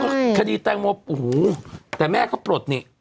ใช่ไหมล่ะคดีแตงโมโอ้โหแต่แม่ก็ปลดนี่